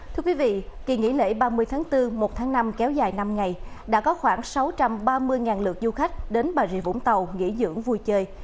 thưa quý vị kỳ nghỉ lễ ba mươi tháng bốn một tháng năm kéo dài năm ngày đã có khoảng sáu trăm ba mươi lượt du khách đến bà rịa vũng tàu nghỉ dưỡng vui chơi